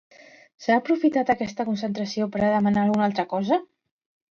S'ha aprofitat aquesta concentració per a demanar alguna altra cosa?